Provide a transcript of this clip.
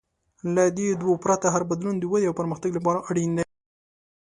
له دې دوو پرته، هر بدلون د ودې او پرمختګ لپاره اړین دی.